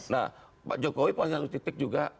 nah pak jokowi pada satu titik juga